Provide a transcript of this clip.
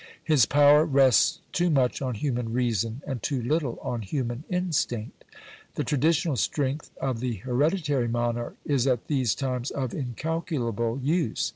His power rests too much on human reason, and too little on human instinct. The traditional strength of the hereditary monarch is at these times of incalculable use.